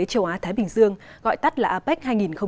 châu á thái bình dương gọi tắt là apec hai nghìn một mươi bảy